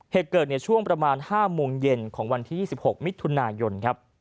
เหตุเกิดในช่วงประมาณ๕โมงเย็นของวันที่๒๖มิถุนายนครับ